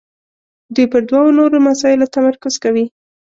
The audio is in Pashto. دوی پر دوو نورو مسایلو تمرکز کوي.